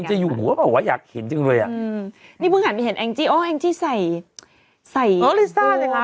น่ารัก